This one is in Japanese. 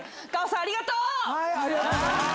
ＧＡＯさんありがとう！